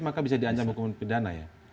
maka bisa di ancam hukuman pidana ya